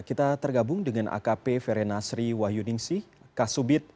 kita tergabung dengan akp verena sri wahyuningsih kasubit